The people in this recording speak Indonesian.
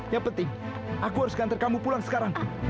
yang penting aku harus ganti kamu pulang sekarang